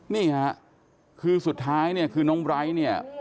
นี่ค่ะคือสุดท้ายเนี่ยคือน้องไบร์ทเนี่ย